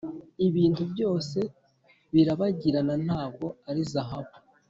ibintu byose birabagirana ntabwo ari zahabu.